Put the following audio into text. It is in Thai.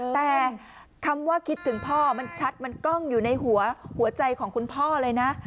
แต่คำว่าคิดถึงพ่อมันชัดมันกล้องอยู่ในหัวใจของคุณพ่อเลยนะ